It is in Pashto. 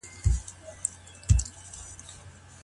د ميرمني د کرامت ساتنه څنګه ترسره کيږي؟